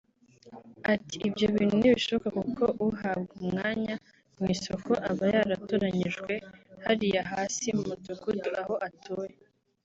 Ati “Ibyo bintu ntibishoboka kuko uhabwa umwanya mu isoko aba yaratoranyirijwe hariya hasi mu mudugudu aho atuye